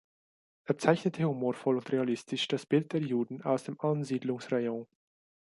Er zeichnete humorvoll und realistisch das Bild der Juden aus dem Ansiedlungsrayon.